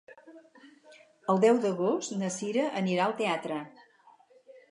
El deu d'agost na Cira anirà al teatre.